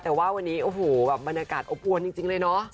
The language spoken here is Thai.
แต่ว่าวันนี้โอ้โหแบบบรรยากาศอบอวนจริงเลยเนาะ